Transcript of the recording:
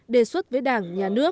đề xuất với đảng nhà nước